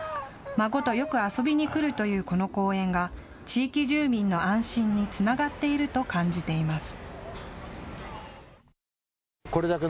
孫とよく遊びに来るというこの公園が地域住民の安心につながっていると感じています。